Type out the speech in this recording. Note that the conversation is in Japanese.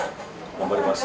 頑張りました。